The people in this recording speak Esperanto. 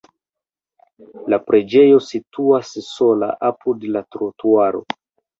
La preĝejo situas sola apud la trotuaro.